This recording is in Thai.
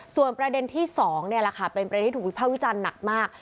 ส่วนประเด็นที่๒เป็นประเด็นที่ถูกวิภาวิจารณ์หนักมาก